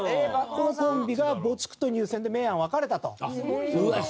このコンビが没句と入選で明暗分かれたと。